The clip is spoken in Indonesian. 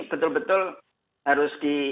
betul betul harus di